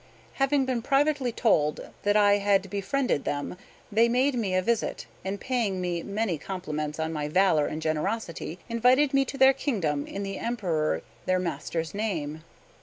Having been privately told that I had befriended them, they made me a visit, and paying me many compliments on my valor and generosity, invited me to their kingdom in the Emperor their master's name.